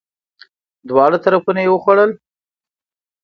دواړه طرفونه یی وخوړل!